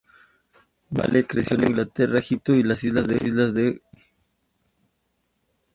Bale creció en Inglaterra, Egipto y las Islas del Canal.